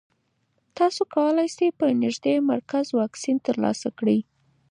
تاسو کولی شئ په نږدې مرکز واکسین ترلاسه کړئ.